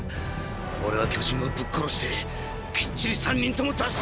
オレは巨人をぶっ殺してきっちり３人とも助ける！